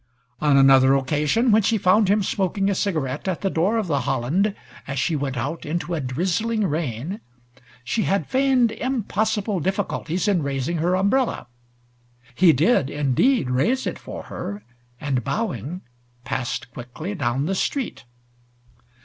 On another occasion, when she found him smoking a cigarette at the door of the Holland as she went out into a drizzling rain, she had feigned impossible difficulties in raising her umbrella. He did, indeed, raise it for her, and bowing passed quickly down the street.